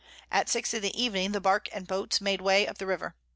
At 6 in the Evening the Bark and Boats made way up the River.